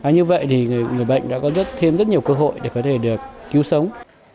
như vậy thì người bệnh đã có thêm rất nhiều cơ hội để có thể được cứu sống